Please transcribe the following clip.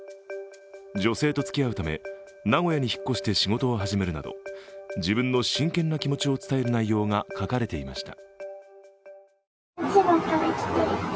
女性とつきあうため、名古屋に引っ越して仕事を始めるなど自分の真剣な気持ちを伝える内容が書かれていました。